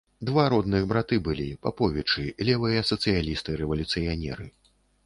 Два родных браты былі, паповічы, левыя сацыялісты-рэвалюцыянеры.